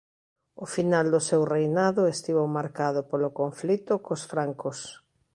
O final do seu reinado estivo marcado polo conflito cos francos.